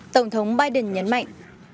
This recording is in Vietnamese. tổng thống biden nhấn mạnh